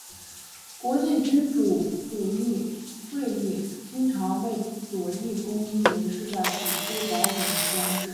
国际君主主义者会议经常被左翼攻击为是在鼓吹保守和专制。